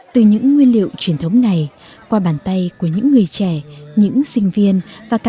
từ những nguyên liệu truyền thống này qua bàn tay của những người trẻ những sinh viên và cả